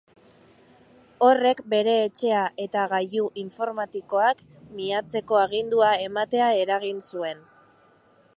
Horrek, bere etxea eta gailu informatikoak miatzeko agindua ematea eragin zuen.